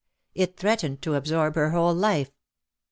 It threat ened to absorb her whole life.